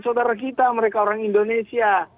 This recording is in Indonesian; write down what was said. saudara kita mereka orang indonesia